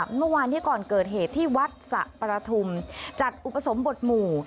เมื่อวานที่ก่อนเกิดเหตุที่วัดสะประทุมจัดอุปสมบทหมู่